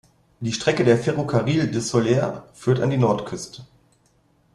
Die Strecke der Ferrocarril de Sóller führt an die Nordküste.